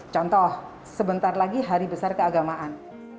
contoh sebentar lagi hari besar keagamaan